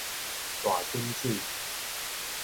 大滾水